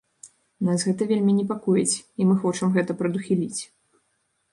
Нас гэта вельмі непакоіць і мы хочам гэта прадухіліць.